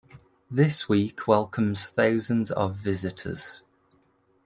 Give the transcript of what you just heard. This week welcomes thousands of visitors.